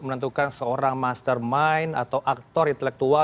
menentukan seorang mastermind atau aktor intelektual